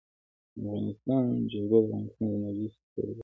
د افغانستان جلکو د افغانستان د انرژۍ سکتور برخه ده.